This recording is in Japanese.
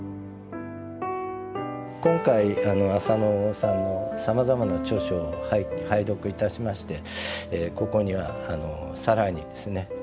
今回浅野さんのさまざまな著書を拝読いたしましてここには更にですね